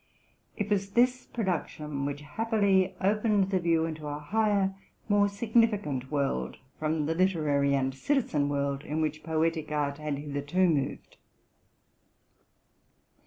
It was this production which happily opened the view into a higher, more significant, world, from the literary and citizen world in which poetic art had hitherto moved.